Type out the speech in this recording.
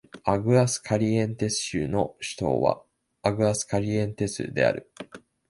アグアスカリエンテス州の州都はアグアスカリエンテスである